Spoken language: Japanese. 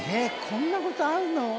こんなことあるの？